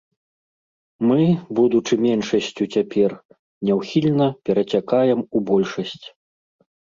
Мы, будучы меншасцю цяпер, няўхільна перацякаем у большасць.